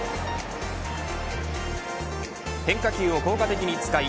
変化球を効果的に使い